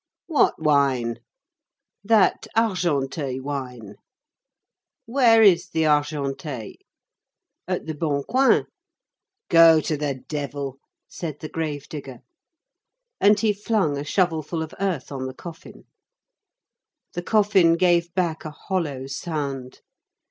"What wine?" "That Argenteuil wine." "Where is the Argenteuil?" "At the Bon Coing." "Go to the devil!" said the grave digger. And he flung a shovelful of earth on the coffin. The coffin gave back a hollow sound.